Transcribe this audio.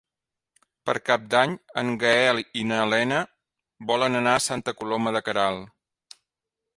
Per Cap d'Any en Gaël i na Lena volen anar a Santa Coloma de Queralt.